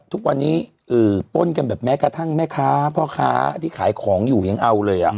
ทุกวันนี้ป้นกันแบบแม้กระทั่งแม่ค้าพ่อค้าที่ขายของอยู่ยังเอาเลย